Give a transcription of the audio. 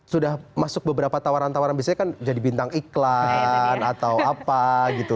sudah masuk beberapa tawaran tawaran biasanya kan jadi bintang iklan atau apa gitu